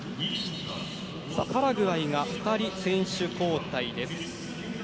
パラグアイが２人、選手交代。